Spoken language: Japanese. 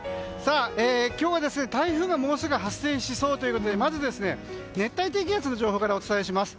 今日は台風がもうすぐ発生しそうということでまず熱帯低気圧の情報からお伝えします。